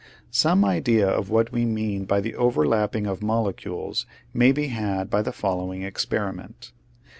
Some idea of what we mean by the over lapping of molecules may be had by the fol lowing experiment.